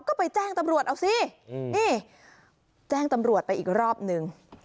ก็ไปแจ้งตำรวจเอาสินี่แจ้งตำรวจไปอีกรอบนึง